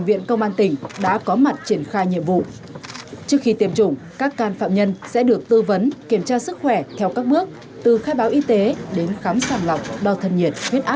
vận động các can phạm nhân tự nguyện viết cam kết đồng ý tiêm vaccine